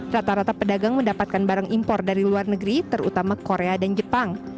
rata rata pedagang mendapatkan barang impor dari luar negeri terutama korea dan jepang